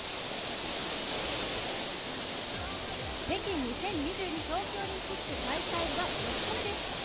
北京２０２２冬季オリンピック大会は４日目です。